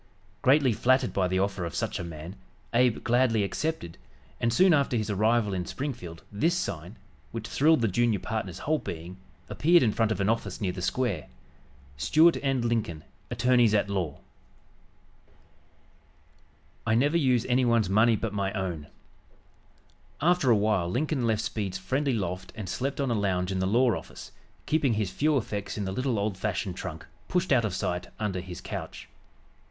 Greatly flattered by the offer of such a man, Abe gladly accepted, and soon after his arrival in Springfield this sign, which thrilled the junior partner's whole being, appeared in front of an office near the square: | STUART & LINCOLN || ATTORNEYS AT LAW | "I NEVER USE ANYONE'S MONEY BUT MY OWN" After a while Lincoln left Speed's friendly loft and slept on a lounge in the law office, keeping his few effects in the little old fashioned trunk pushed out of sight under his couch.